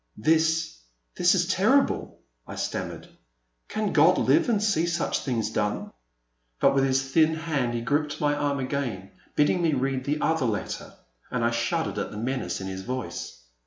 This — this is terrible !I stammered ;" can God live and see such things done !" 332 A Pleasant Evening. But with his thin hand he gripped my arm again, bidding me read the other letter; and I shuddered at the menace in his voice.